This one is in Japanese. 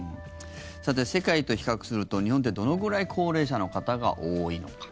さて、世界と比較すると日本ってどのぐらい高齢者の方が多いのか。